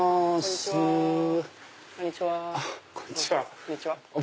こんにちは。